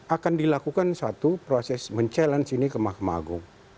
akan dilakukan satu proses mencabar ini ke mahkamah agung